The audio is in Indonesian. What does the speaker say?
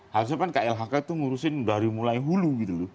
harusnya kan klhk ngurusin dari mulai hulu